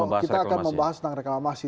kita akan membahas tentang reklamasi